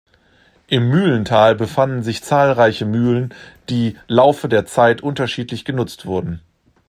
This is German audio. Im Mühlental befanden sich zahlreiche Mühlen, die Laufe der Zeit unterschiedlich genutzt wurden.